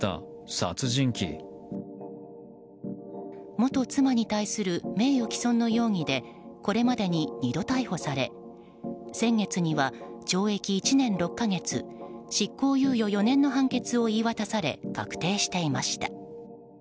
元妻に対する名誉毀損の容疑でこれまでに２度逮捕され先月には懲役１年６か月執行猶予４年の判決を言い渡され、確定していました。